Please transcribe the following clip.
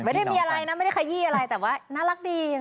ไม่ได้มีอะไรนะไม่ได้ขยี้อะไรแต่ว่าน่ารักดี